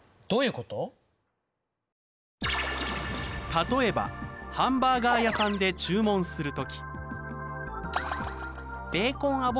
例えばハンバーガー屋さんで注文する時。